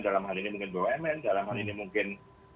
dalam hal ini mungkin bumn dalam hal ini mungkin